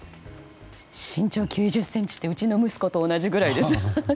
身長９０ｃｍってうちの息子と同じぐらいです。